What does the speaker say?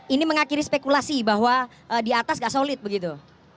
ini mengakhiri spekulasi bahwa di atas gak solid begitu